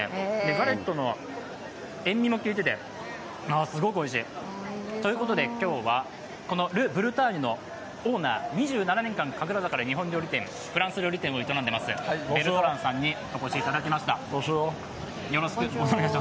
ガレットの塩味もきいていてすごくおいしい。ということで今日はこのル・ブルターニュのオーナー、２７年間、神楽坂でフランス料理店を営んでいる方にお越しいただきました。